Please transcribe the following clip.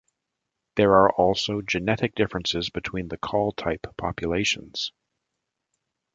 There are also genetic differences between the call type populations.